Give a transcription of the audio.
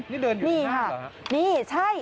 นี่เดินอยู่ห้างหรอครับนี่ใช่